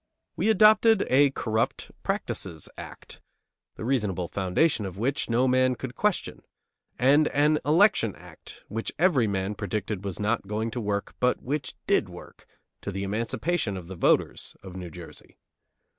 We adopted a Corrupt Practices Act, the reasonable foundation of which no man could question, and an Election Act, which every man predicted was not going to work, but which did work, to the emancipation of the voters of New Jersey.